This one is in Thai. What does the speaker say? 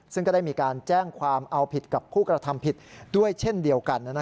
ซึ่งก็ได้มีการแจ้งความเอาผิดกับผู้กระทำผิดด้วยเช่นเดียวกัน